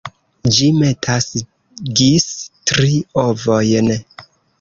Ĝi metas gis tri ovojn.